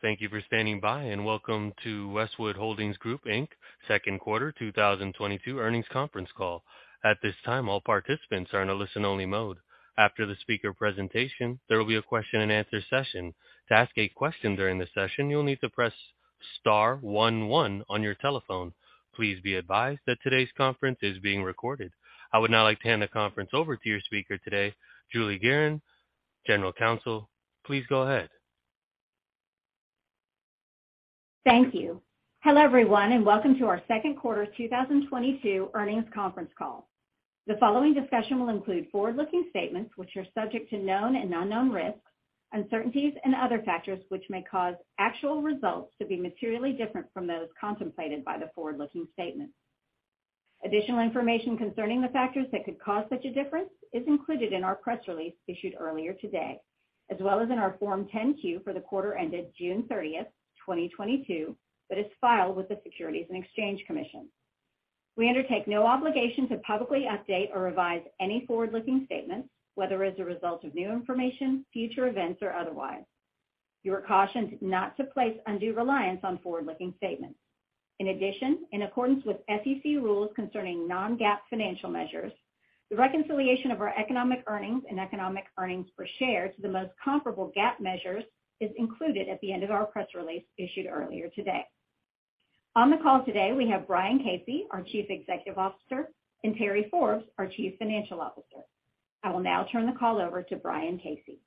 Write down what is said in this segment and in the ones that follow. Thank you for standing by, and welcome to Westwood Holdings Group, Inc. second quarter 2022 earnings conference call. At this time, all participants are in a listen only mode. After the speaker presentation, there will be a question and answer session. To ask a question during the session, you'll need to press star one one on your telephone. Please be advised that today's conference is being recorded. I would now like to hand the conference over to your speaker today, Julie Gerron, General Counsel. Please go ahead. Thank you. Hello, everyone, and welcome to our second quarter 2022 earnings conference call. The following discussion will include forward-looking statements which are subject to known and unknown risks, uncertainties and other factors which may cause actual results to be materially different from those contemplated by the forward-looking statements. Additional information concerning the factors that could cause such a difference is included in our press release issued earlier today, as well as in our Form 10-Q for the quarter ended June 30th, 2022, that is filed with the Securities and Exchange Commission. We undertake no obligation to publicly update or revise any forward-looking statements, whether as a result of new information, future events, or otherwise. You are cautioned not to place undue reliance on forward-looking statements. In addition, in accordance with SEC rules concerning non-GAAP financial measures, the reconciliation of our economic earnings and economic earnings per share to the most comparable GAAP measures is included at the end of our press release issued earlier today. On the call today, we have Brian Casey, our Chief Executive Officer, and Terry Forbes, our Chief Financial Officer. I will now turn the call over to Brian Casey.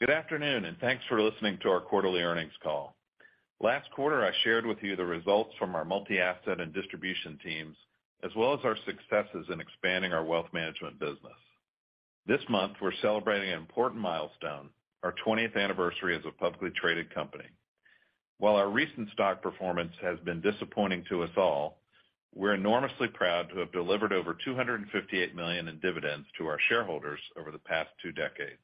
Good afternoon, and thanks for listening to our quarterly earnings call. Last quarter, I shared with you the results from our multi-asset and distribution teams, as well as our successes in expanding our wealth management business. This month, we're celebrating an important milestone, our 20th anniversary as a publicly traded company. While our recent stock performance has been disappointing to us all, we're enormously proud to have delivered over $258 million in dividends to our shareholders over the past two decades.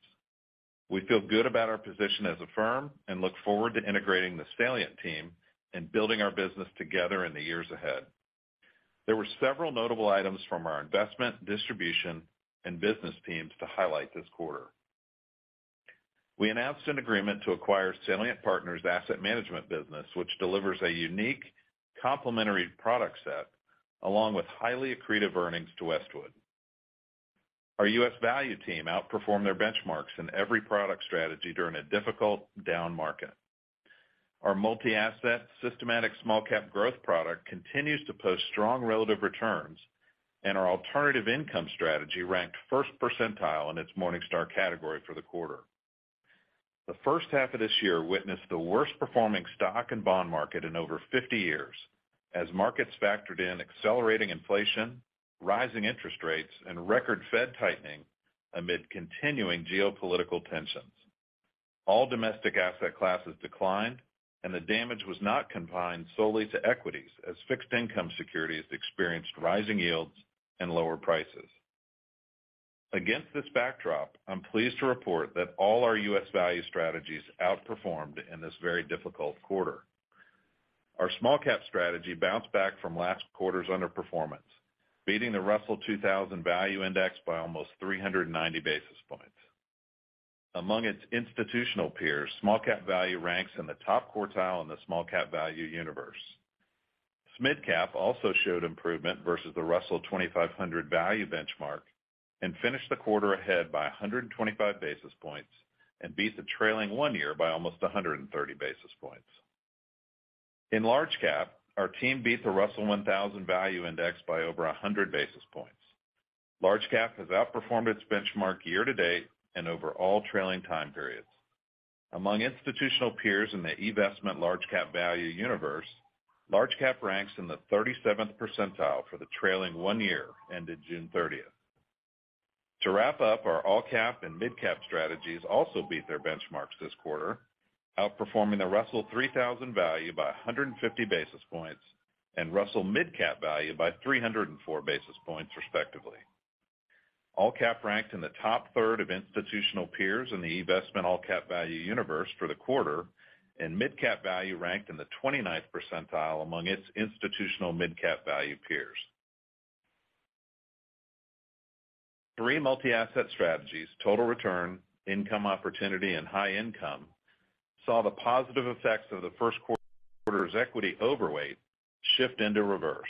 We feel good about our position as a firm and look forward to integrating the Salient team and building our business together in the years ahead. There were several notable items from our investment, distribution, and business teams to highlight this quarter. We announced an agreement to acquire Salient Partners asset management business, which delivers a unique complementary product set along with highly accretive earnings to Westwood. Our U.S. value team outperformed their benchmarks in every product strategy during a difficult down market. Our multi-asset systematic small-cap growth product continues to post strong relative returns, and our alternative income strategy ranked first percentile in its Morningstar category for the quarter. The first half of this year witnessed the worst performing stock and bond market in over 50 years as markets factored in accelerating inflation, rising interest rates, and record Fed tightening amid continuing geopolitical tensions. All domestic asset classes declined, and the damage was not confined solely to equities as fixed income securities experienced rising yields and lower prices. Against this backdrop, I'm pleased to report that all our U.S. value strategies outperformed in this very difficult quarter. Our SmallCap strategy bounced back from last quarter's underperformance, beating the Russell 2000 Value Index by almost 390 basis points. Among its institutional peers, SmallCap value ranks in the top quartile in the SmallCap value universe. Midcap also showed improvement versus the Russell 2500 Value benchmark and finished the quarter ahead by 125 basis points and beat the trailing one year by almost 130 basis points. In large cap, our team beat the Russell 1000 Value Index by over 100 basis points. Large cap has outperformed its benchmark year to date and over all trailing time periods. Among institutional peers in the institutional large cap value universe, large cap ranks in the 37th percentile for the trailing one year ended June 30th. To wrap up, our all cap and midcap strategies also beat their benchmarks this quarter, outperforming the Russell 3000 Value by 150 basis points and Russell Midcap Value by 304 basis points respectively. All cap ranked in the top third of institutional peers in the investment all cap value universe for the quarter, and Midcap Value ranked in the 29th percentile among its institutional Midcap Value peers. Three multi-asset strategies, total return, income opportunity, and high income, saw the positive effects of the first quarter's equity overweight shift into reverse.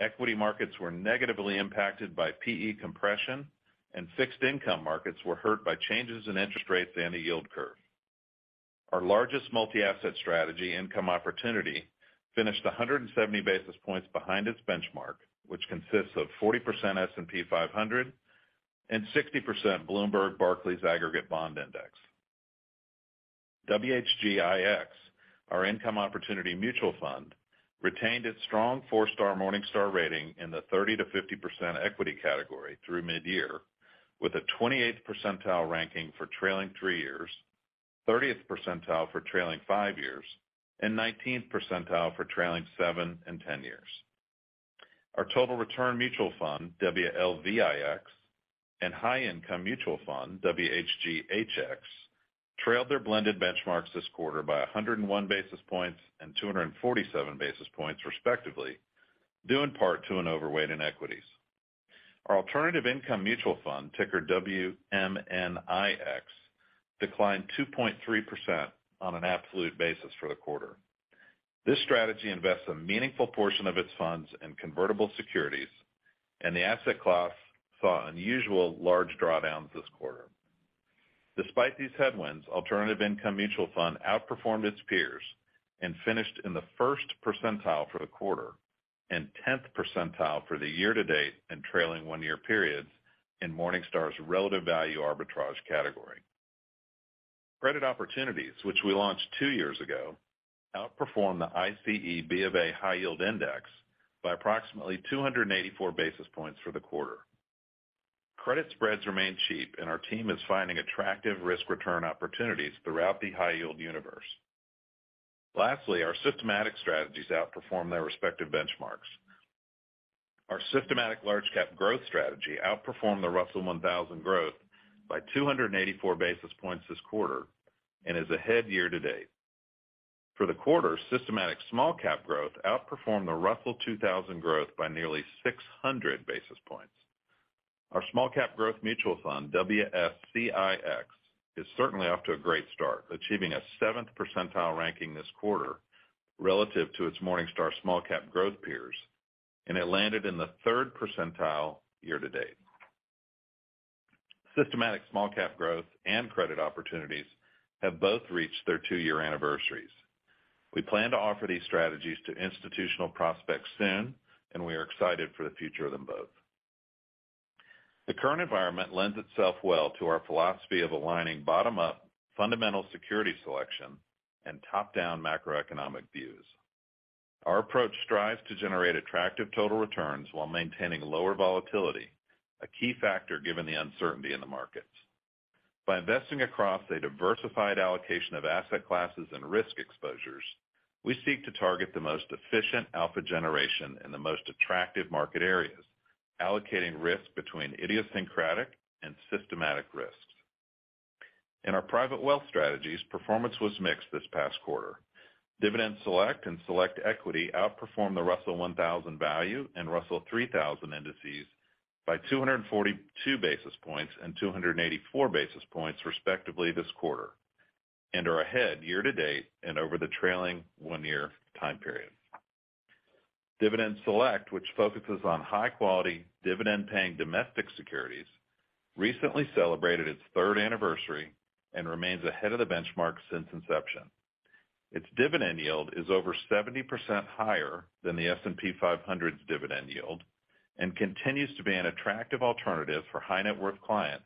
Equity markets were negatively impacted by P/E compression, and fixed income markets were hurt by changes in interest rates and the yield curve. Our largest multi-asset strategy, Income Opportunity, finished 170 basis points behind its benchmark, which consists of 40% S&P 500 and 60% Bloomberg Barclays U.S. Aggregate Bond Index. WHGIX, our Income Opportunity mutual fund, retained its strong 4-star Morningstar rating in the 30%-50% equity category through mid-year with a 28th percentile ranking for trailing three years, 30th percentile for trailing five years, and 19th percentile for trailing 7 and 10 years. Our total return mutual fund, WLVIX, and high income mutual fund, WHGHX, trailed their blended benchmarks this quarter by 101 basis points and 247 basis points, respectively, due in part to an overweight in equities. Our alternative income mutual fund, ticker WMNIX, declined 2.3% on an absolute basis for the quarter. This strategy invests a meaningful portion of its funds in convertible securities, and the asset class saw unusual large drawdowns this quarter. Despite these headwinds, Alternative Income mutual fund outperformed its peers and finished in the first percentile for the quarter and tenth percentile for the year-to-date and trailing one-year periods in Morningstar's relative value arbitrage category. Credit opportunities, which we launched two years ago, outperformed the ICE BofA High Yield Index by approximately 284 basis points for the quarter. Credit spreads remain cheap, and our team is finding attractive risk-return opportunities throughout the high-yield universe. Lastly, our systematic strategies outperformed their respective benchmarks. Our systematic large cap growth strategy outperformed the Russell 1000 Growth Index by 284 basis points this quarter and is ahead year-to-date. For the quarter, systematic SmallCap growth outperformed the Russell 2000 Growth by nearly 600 basis points. Our SmallCap growth mutual fund, WSCIX, is certainly off to a great start, achieving a 7th percentile ranking this quarter relative to its Morningstar SmallCap growth peers, and it landed in the third percentile year to date. Systematic SmallCap growth and credit opportunities have both reached their two-year anniversaries. We plan to offer these strategies to institutional prospects soon, and we are excited for the future of them both. The current environment lends itself well to our philosophy of aligning bottom-up fundamental security selection and top-down macroeconomic views. Our approach strives to generate attractive total returns while maintaining lower volatility, a key factor given the uncertainty in the markets. By investing across a diversified allocation of asset classes and risk exposures, we seek to target the most efficient alpha generation in the most attractive market areas, allocating risk between idiosyncratic and systematic risks. In our private wealth strategies, performance was mixed this past quarter. Dividend Select and Select Equity outperformed the Russell 1000 Value and Russell 3000 indices by 242 basis points and 284 basis points respectively this quarter and are ahead year to date and over the trailing one-year time period. Dividend Select, which focuses on high-quality dividend-paying domestic securities, recently celebrated its third anniversary and remains ahead of the benchmark since inception. Its dividend yield is over 70% higher than the S&P 500's dividend yield and continues to be an attractive alternative for high net worth clients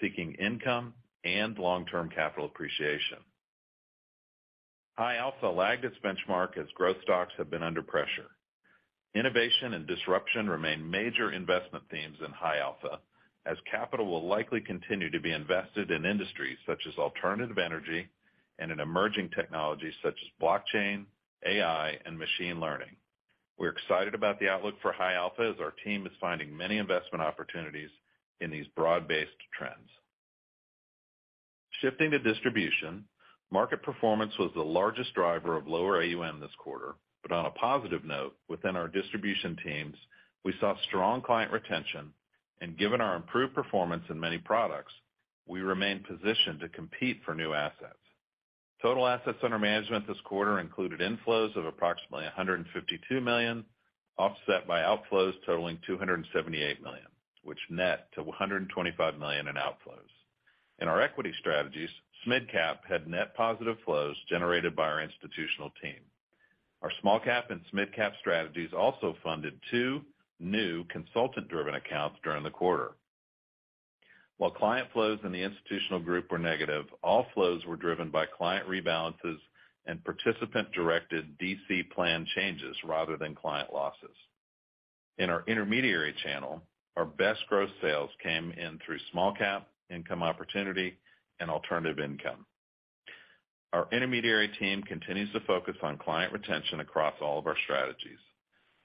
seeking income and long-term capital appreciation. High Alpha lagged its benchmark as growth stocks have been under pressure. Innovation and disruption remain major investment themes in High Alpha, as capital will likely continue to be invested in industries such as alternative energy and in emerging technologies such as blockchain, AI, and machine learning. We're excited about the outlook for High Alpha as our team is finding many investment opportunities in these broad-based trends. Shifting to distribution, market performance was the largest driver of lower AUM this quarter. On a positive note, within our distribution teams, we saw strong client retention, and given our improved performance in many products, we remain positioned to compete for new assets. Total assets under management this quarter included inflows of approximately $152 million, offset by outflows totaling $278 million, which net to $125 million in outflows. In our equity strategies, SMidCap had net positive flows generated by our institutional team. Our SmallCap and SMidCap strategies also funded two new consultant-driven accounts during the quarter. While client flows in the institutional group were negative, all flows were driven by client rebalances and participant-directed DC plan changes rather than client losses. In our intermediary channel, our best gross sales came in through SmallCap, Income Opportunity, and Alternative Income. Our intermediary team continues to focus on client retention across all of our strategies.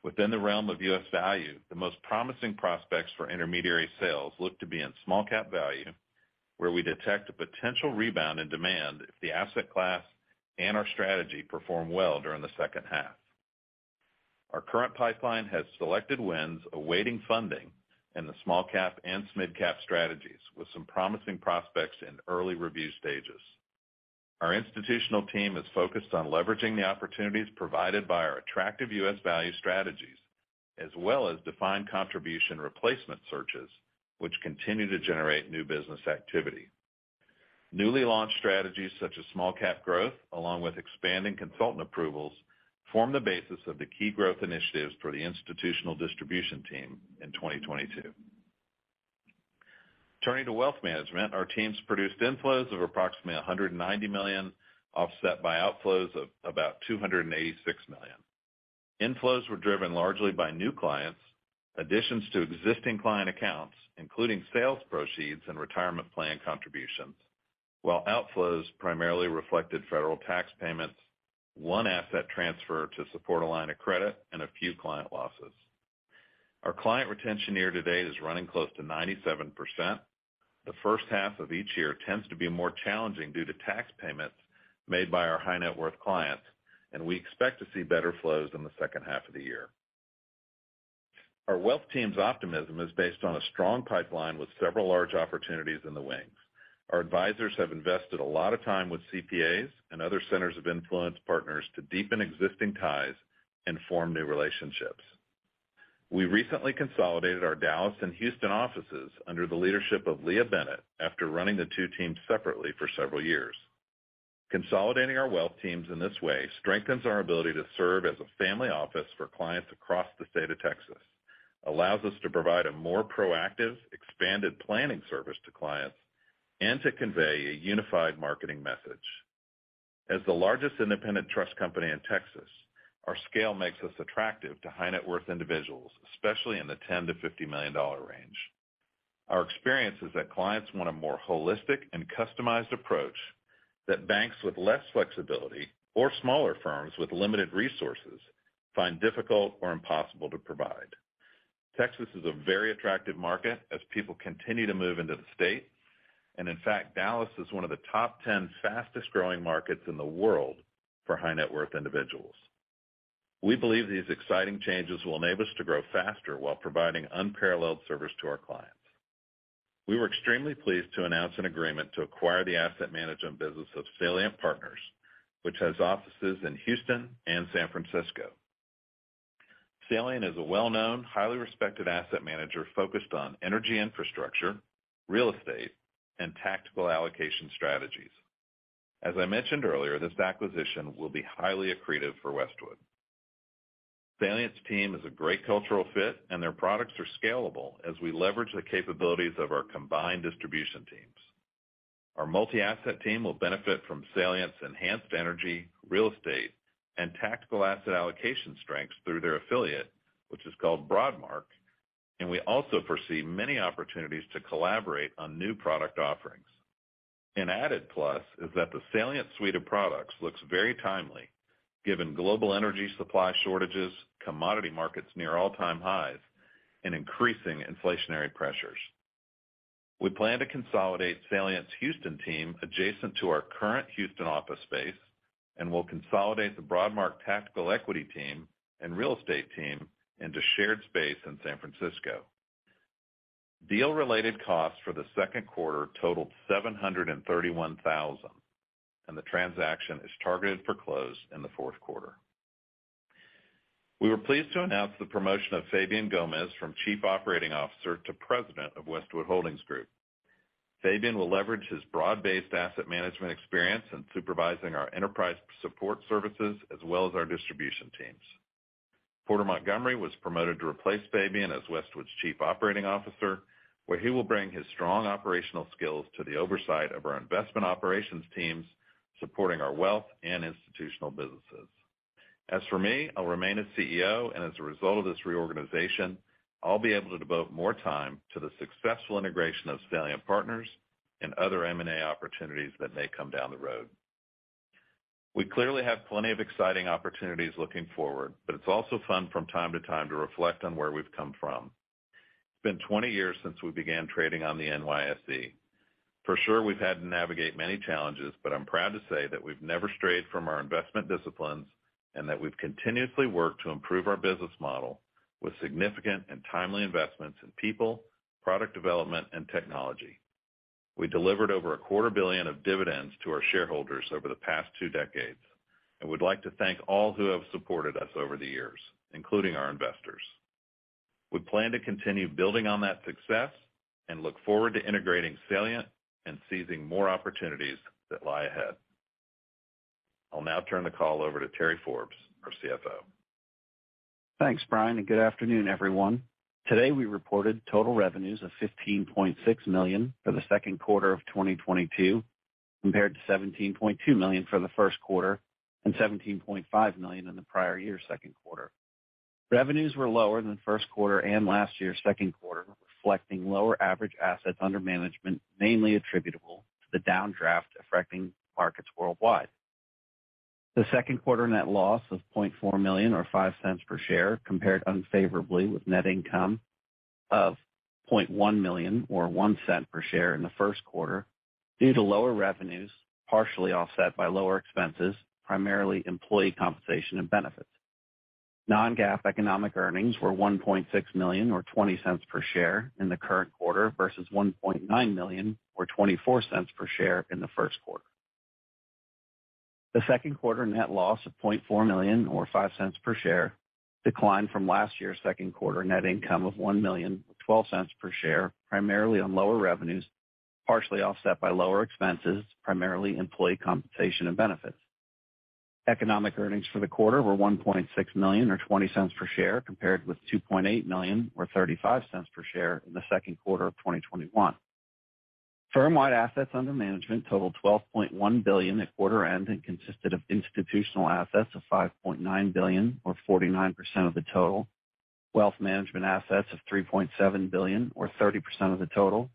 Within the realm of U.S. value, the most promising prospects for intermediary sales look to be in SmallCap Value, where we detect a potential rebound in demand if the asset class and our strategy perform well during the second half. Our current pipeline has selected wins awaiting funding in the SmallCap and SMidCap strategies, with some promising prospects in early review stages. Our institutional team is focused on leveraging the opportunities provided by our attractive U.S. value strategies, as well as defined contribution replacement searches, which continue to generate new business activity. Newly launched strategies such as SmallCap Growth, along with expanding consultant approvals, form the basis of the key growth initiatives for the institutional distribution team in 2022. Turning to wealth management, our teams produced inflows of approximately $190 million, offset by outflows of about $286 million. Inflows were driven largely by new clients, additions to existing client accounts, including sales proceeds and retirement plan contributions, while outflows primarily reflected federal tax payments, one asset transfer to support a line of credit, and a few client losses. Our client retention year to date is running close to 97%. The first half of each year tends to be more challenging due to tax payments made by our high net worth clients, and we expect to see better flows in the second half of the year. Our wealth team's optimism is based on a strong pipeline with several large opportunities in the wings. Our advisors have invested a lot of time with CPAs and other centers of influence partners to deepen existing ties and form new relationships. We recently consolidated our Dallas and Houston offices under the leadership of Leah Bennett after running the two teams separately for several years. Consolidating our wealth teams in this way strengthens our ability to serve as a family office for clients across the state of Texas, allows us to provide a more proactive, expanded planning service to clients, and to convey a unified marketing message. As the largest independent trust company in Texas, our scale makes us attractive to high net worth individuals, especially in the $10 million-$50 million range. Our experience is that clients want a more holistic and customized approach that banks with less flexibility or smaller firms with limited resources find difficult or impossible to provide. Texas is a very attractive market as people continue to move into the state. In fact, Dallas is one of the top 10 fastest growing markets in the world for high net worth individuals. We believe these exciting changes will enable us to grow faster while providing unparalleled service to our clients. We were extremely pleased to announce an agreement to acquire the asset management business of Salient Partners, which has offices in Houston and San Francisco. Salient is a well-known, highly respected asset manager focused on energy infrastructure, real estate, and tactical allocation strategies. As I mentioned earlier, this acquisition will be highly accretive for Westwood. Salient's team is a great cultural fit, and their products are scalable as we leverage the capabilities of our combined distribution teams. Our multi-asset team will benefit from Salient's enhanced energy, real estate, and tactical asset allocation strengths through their affiliate, which is called Broadmark, and we also foresee many opportunities to collaborate on new product offerings. An added plus is that the Salient suite of products looks very timely, given global energy supply shortages, commodity markets near all-time highs, and increasing inflationary pressures. We plan to consolidate Salient's Houston team adjacent to our current Houston office space, and we'll consolidate the Broadmark tactical equity team and real estate team into shared space in San Francisco. Deal-related costs for the second quarter totaled $731,000, and the transaction is targeted for close in the fourth quarter. We were pleased to announce the promotion of Fabian Gomez from Chief Operating Officer to President of Westwood Holdings Group. Fabian will leverage his broad-based asset management experience in supervising our enterprise support services as well as our distribution teams. Porter Montgomery was promoted to replace Fabian Gomez as Westwood's Chief Operating Officer, where he will bring his strong operational skills to the oversight of our investment operations teams, supporting our wealth and institutional businesses. As for me, I'll remain as CEO, and as a result of this reorganization, I'll be able to devote more time to the successful integration of Salient Partners and other M&A opportunities that may come down the road. We clearly have plenty of exciting opportunities looking forward, but it's also fun from time to time to reflect on where we've come from. It's been 20 years since we began trading on the NYSE. For sure, we've had to navigate many challenges, but I'm proud to say that we've never strayed from our investment disciplines and that we've continuously worked to improve our business model with significant and timely investments in people, product development, and technology. We delivered over a quarter billion of dividends to our shareholders over the past two decades, and we'd like to thank all who have supported us over the years, including our investors. We plan to continue building on that success and look forward to integrating Salient and seizing more opportunities that lie ahead. I'll now turn the call over to Terry Forbes, our CFO. Thanks, Brian, and good afternoon, everyone. Today, we reported total revenues of $15.6 million for the second quarter of 2022, compared to $17.2 million for the first quarter and $17.5 million in the prior year's second quarter. Revenues were lower than the first quarter and last year's second quarter, reflecting lower average assets under management, mainly attributable to the downdraft affecting markets worldwide. The second quarter net loss of $0.4 million or $0.05 per share compared unfavorably with net income of $0.1 million or $0.01 per share in the first quarter due to lower revenues, partially offset by lower expenses, primarily employee compensation and benefits. non-GAAP economic earnings were $1.6 million or $0.20 per share in the current quarter versus $1.9 million or $0.24 per share in the first quarter. The second quarter net loss of $0.4 million or $0.05 per share declined from last year's second-quarter net income of $1 million, $0.12 per share, primarily on lower revenues, partially offset by lower expenses, primarily employee compensation and benefits. Economic earnings for the quarter were $1.6 million or $0.20 per share, compared with $2.8 million or $0.35 per share in the second quarter of 2021. Firm-wide assets under management totaled $12.1 billion at quarter end and consisted of institutional assets of $5.9 billion or 49% of the total, wealth management assets of $3.7 billion or 30% of the total,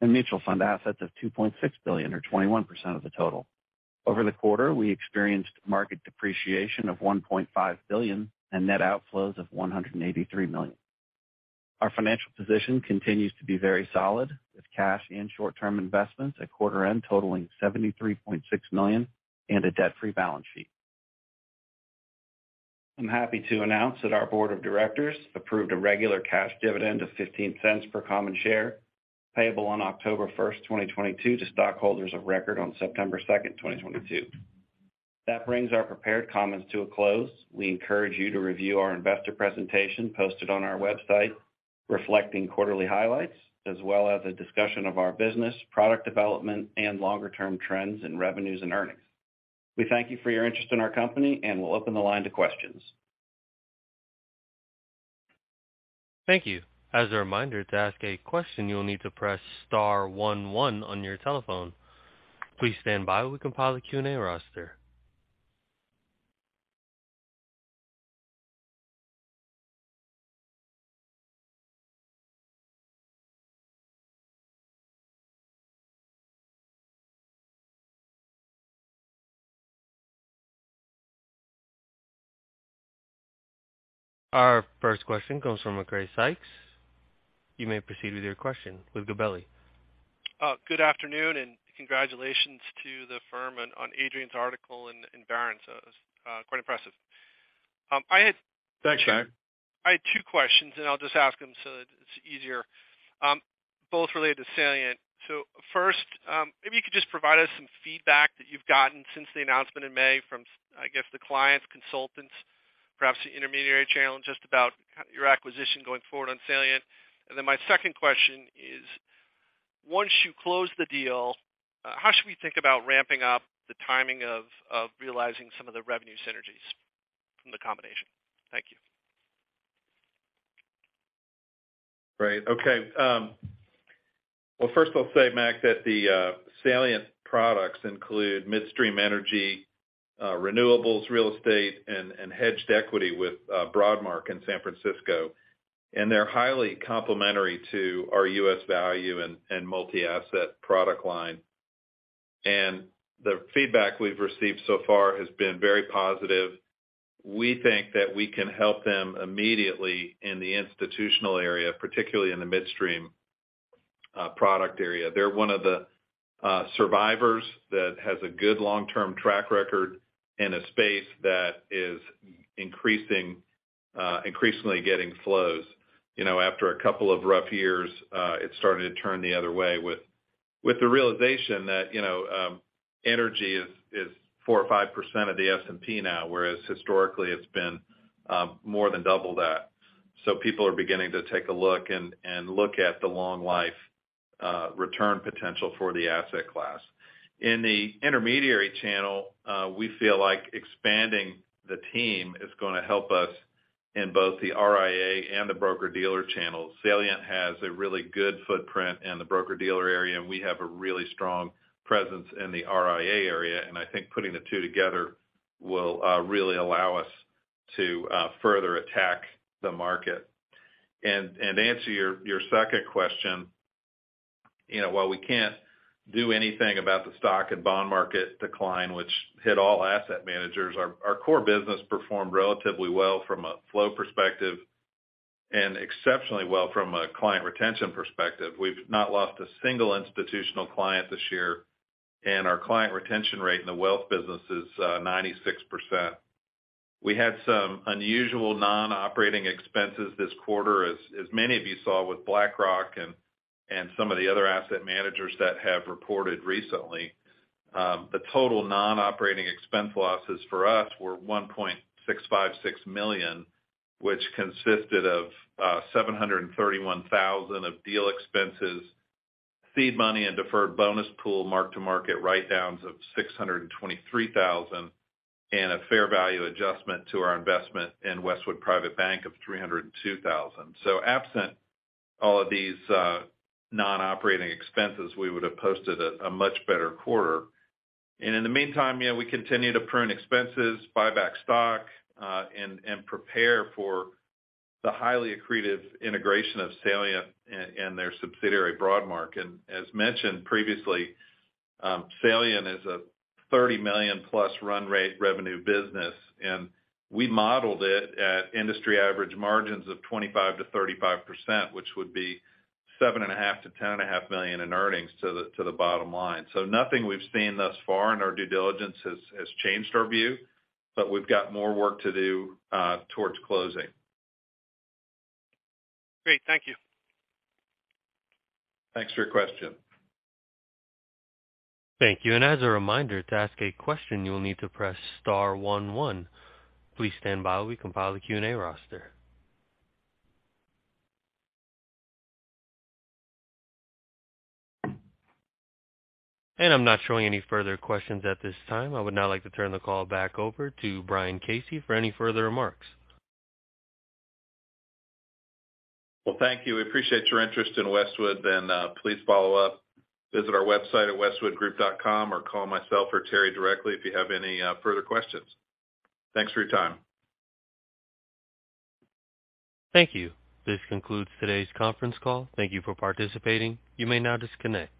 and mutual fund assets of $2.6 billion or 21% of the total. Over the quarter, we experienced market depreciation of $1.5 billion and net outflows of $183 million. Our financial position continues to be very solid, with cash and short-term investments at quarter end totaling $73.6 million and a debt-free balance sheet. I'm happy to announce that our board of directors approved a regular cash dividend of $0.15 per common share payable on October first, 2022 to stockholders of record on September second, 2022. That brings our prepared comments to a close. We encourage you to review our investor presentation posted on our website reflecting quarterly highlights as well as a discussion of our business, product development, and longer-term trends in revenues and earnings. We thank you for your interest in our company, and we'll open the line to questions. Thank you. As a reminder, to ask a question, you will need to press star one one on your telephone. Please stand by while we compile the Q&A roster. Our first question comes from Macrae Sykes. You may proceed with your question. With Gabelli. Good afternoon and congratulations to the firm and on Adrian's article in Barron's. It was quite impressive. I had. Thanks, Mac. I had two questions, and I'll just ask them so that it's easier. Both related to Salient. First, maybe you could just provide us some feedback that you've gotten since the announcement in May from, I guess, the clients, consultants, perhaps the intermediary channel, and just about your acquisition going forward on Salient. Then my second question is, once you close the deal, how should we think about ramping up the timing of realizing some of the revenue synergies from the combination? Thank you. Great. Okay. Well, first I'll say, Mac, that the Salient products include midstream energy, renewables, real estate, and hedged equity with Broadmark in San Francisco. They're highly complementary to our U.S. value and multi-asset product line. The feedback we've received so far has been very positive. We think that we can help them immediately in the institutional area, particularly in the midstream product area. They're one of the survivors that has a good long-term track record in a space that is increasingly getting flows. You know, after a couple of rough years, it started to turn the other way with the realization that, you know, energy is four or five percent of the S&P now, whereas historically it's been more than double that. People are beginning to take a look and look at the long life return potential for the asset class. In the intermediary channel, we feel like expanding the team is gonna help us in both the RIA and the broker-dealer channels. Salient has a really good footprint in the broker-dealer area, and we have a really strong presence in the RIA area, and I think putting the two together will really allow us to further attack the market. To answer your second question, you know, while we can't do anything about the stock and bond market decline, which hit all asset managers, our core business performed relatively well from a flow perspective and exceptionally well from a client retention perspective. We've not lost a single institutional client this year, and our client retention rate in the wealth business is 96%. We had some unusual non-operating expenses this quarter, as many of you saw with BlackRock and some of the other asset managers that have reported recently. The total non-operating expense losses for us were $1.656 million, which consisted of $731,000 of deal expenses, seed money and deferred bonus pool mark-to-market write-downs of $623,000, and a fair value adjustment to our investment in Westwood Private Bank of $302,000. Absent all of these non-operating expenses, we would have posted a much better quarter. In the meantime, you know, we continue to prune expenses, buy back stock, and prepare for the highly accretive integration of Salient and their subsidiary Broadmark. As mentioned previously, Salient is a $30 million+ run rate revenue business, and we modeled it at industry average margins of 25%-35%, which would be $7.5 million-$10.5 million in earnings to the bottom line. Nothing we've seen thus far in our due diligence has changed our view, but we've got more work to do towards closing. Great. Thank you. Thanks for your question. Thank you. As a reminder, to ask a question, you will need to press star one one. Please stand by while we compile the Q&A roster. I'm not showing any further questions at this time. I would now like to turn the call back over to Brian Casey for any further remarks. Well, thank you. We appreciate your interest in Westwood. Please follow-up. Visit our website at westwoodgroup.com or call myself or Terry directly if you have any further questions. Thanks for your time. Thank you. This concludes today's conference call. Thank you for participating. You may now disconnect.